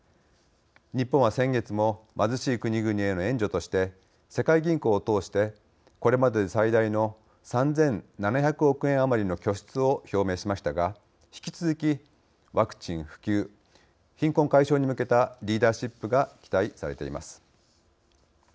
日本は先月も貧しい国々への援助として世界銀行を通して、これまでで最大の３７００億円余りの拠出を表明しましたが、引き続きワクチン普及、貧困解消に向けたリーダーシップが期待されています。